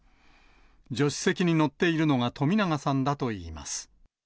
助手席に乗っているのが冨永さんだといいます。